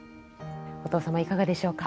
お父様いかがでしょうか？